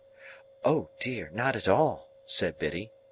"Oh dear, not at all!" said Biddy.